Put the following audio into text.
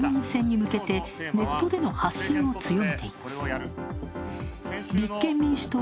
一方、野党も次の衆院選に向けてネットでの発信を強めています。